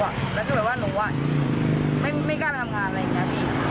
แล้วถ้าเกิดว่าหนูว่าไม่กล้าไปทำงานอะไรอย่างนี้นะพี่